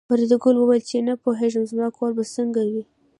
فریدګل وویل چې نه پوهېږم زما کور به څنګه وي